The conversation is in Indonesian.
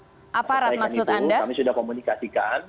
saya percaya kan itu kami sudah komunikasikan